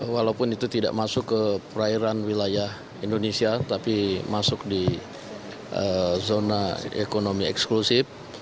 walaupun itu tidak masuk ke perairan wilayah indonesia tapi masuk di zona ekonomi eksklusif